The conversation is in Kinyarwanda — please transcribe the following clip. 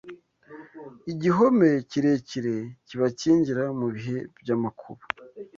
igihome kirekire kibakingira mu bihe by’amakuba